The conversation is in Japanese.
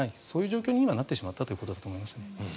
そういう状況に今、なってしまったということだと思いますね。